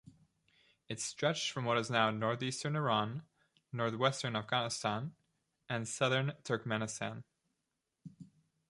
It stretched from what is now northeastern Iran, northwestern Afghanistan and southern Turkmenistan.